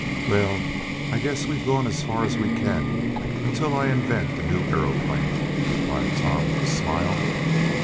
"Well, I guess we've gone as far as we can until I invent the new aeroplane," replied Tom, with a smile.